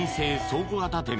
倉庫型店